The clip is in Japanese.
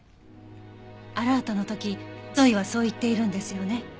アラートの時ゾイはそう言っているんですよね？